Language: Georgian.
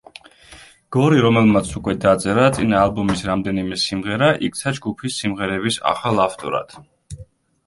გორი, რომელმაც უკვე დაწერა წინა ალბომის რამდენიმე სიმღერა, იქცა ჯგუფის სიმღერების ახალ ავტორად.